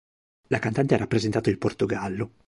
La cantante ha rappresentato il Portogallo.